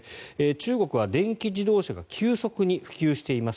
中国は電気自動車が急速に普及しています。